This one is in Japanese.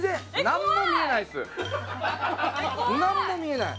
何も見えない！